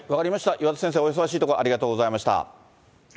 岩田先生、お忙しいところ、ありがとうございました。